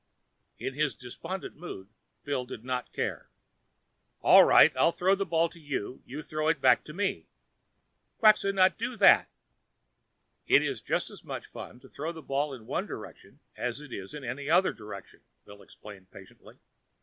In his despondent mood, Bill did not care. "All right. I'll throw the ball to you and you throw it back to me." "Quxas not do that." "It's just as much fun to throw the ball in one direction as in any other direction," Bill explained patiently.